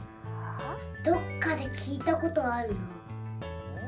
どっかできいたことあるな。